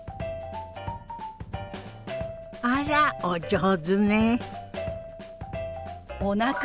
あらお上手ね。